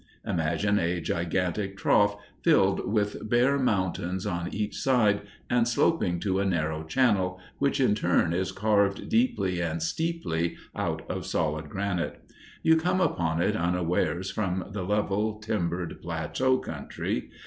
Imagine a gigantic trough, filled with bare mountains on each side and sloping to a narrow channel, which in turn is carved deeply and steeply out of solid granite. You come upon it unawares from the level, timbered, plateau country.